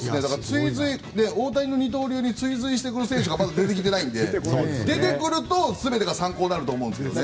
大谷の二刀流に追随する選手がまず出てきてないので出てくると参考になると思うんですね。